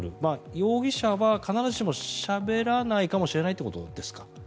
容疑者は必ずしもしゃべらないかもしれないということですか？